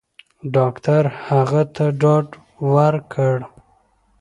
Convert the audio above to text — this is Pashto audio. ډاکټر هغه ته ډاډ ورکړ.